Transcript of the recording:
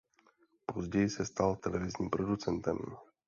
Později se stal televizním producentem.